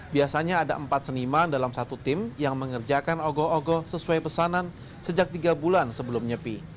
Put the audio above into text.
biasanya ada empat seniman dalam satu tim yang mengerjakan ogoh ogoh sesuai pesanan sejak tiga bulan sebelum nyepi